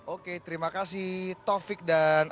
oke terima kasih taufik dan